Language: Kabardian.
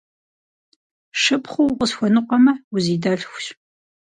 Шыпхъуу укъысхуэныкъуэмэ, узидэлъхущ.